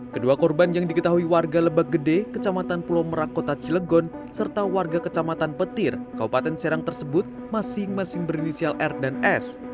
kedua korban yang diketahui warga lebak gede kecamatan pulau merak kota cilegon serta warga kecamatan petir kabupaten serang tersebut masing masing berinisial r dan s